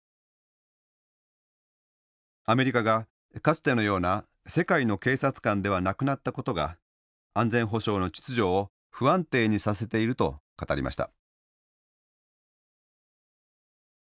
アメリカがかつてのような「世界の警察官」ではなくなったことが安全保障の秩序を不安定にさせていると語りました。